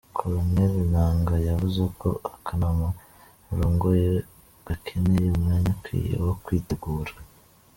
Corneille Nanga yavuze ko akanama arongoye gakeneye umwanya ukwiye wo kwitegura.